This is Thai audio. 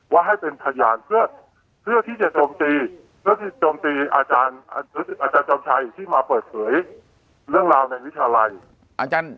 ว่าให้เป็นพยานเพื่อที่จะโจมตีเพื่อที่โจมตีอาจารย์จอมชัยที่มาเปิดเผยเรื่องราวในวิทยาลัย